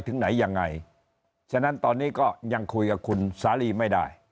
ถึงไหนยังไงฉะนั้นตอนนี้ก็ยังคุยกับคุณสาลีไม่ได้